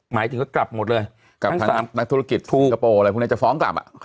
หมายถึงว่ากลับหมดเลยกับทั้งสามนักธุรกิจฟูกระโปรอะไรพวกนี้จะฟ้องกลับอ่ะ